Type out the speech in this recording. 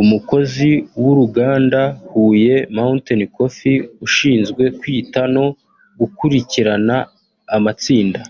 Umukozi w’uruganda Huye Mountain Coffee ushinzwe kwita no gukurikirana amatsinda